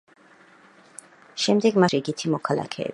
შემდეგ მასში ცხოვრობდნენ ტომსკის რიგითი მოქალაქეები.